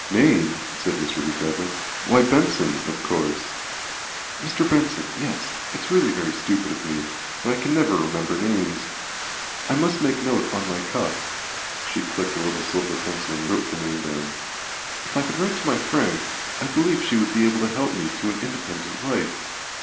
"Name!" said Mr. Hoopdriver. "Why! Benson, of course." "Mr. Benson yes it's really very stupid of me. But I can never remember names. I must make a note on my cuff." She clicked a little silver pencil and wrote the name down. "If I could write to my friend. I believe she would be able to help me to an independent life.